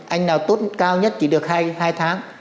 anh nào tốt cao nhất chỉ được hai tháng